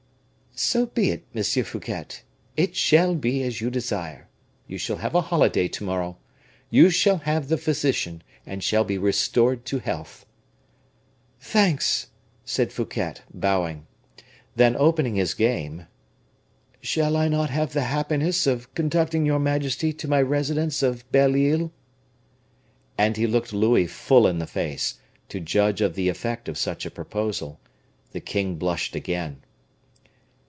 "So be it, Monsieur Fouquet, it shall be as you desire; you shall have a holiday to morrow, you shall have the physician, and shall be restored to health." "Thanks!" said Fouquet, bowing. Then, opening his game: "Shall I not have the happiness of conducting your majesty to my residence of Belle Isle?" And he looked Louis full in the face, to judge of the effect of such a proposal. The king blushed again.